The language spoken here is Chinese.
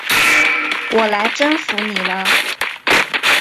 我来征服你了！